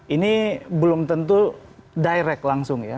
ini belum tentu direct langsung ya